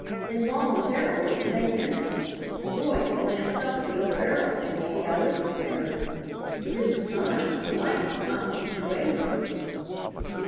Involuntarily, at the same instant, Roy had glanced up at the other aeroplane to see how it was faring. To his astonishment the lights did not seem to waver.